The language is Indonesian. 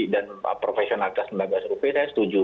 dan profesionalitas lembaga survei saya setuju